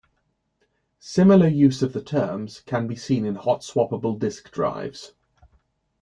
Similar use of the terms can be seen in hot-swappable disk drives.